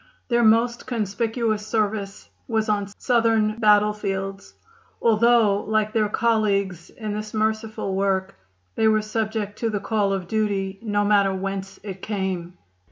Their most conspicuous service was on Southern battlefields, although, like their colleagues in this merciful work, they were subject to the call of duty no matter whence it came.